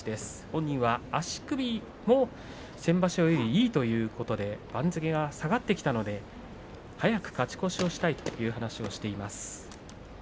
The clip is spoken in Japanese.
本人は足首も先場所よりいいということで番付が下がってきたので早く勝ち越しをしたいという話をしています。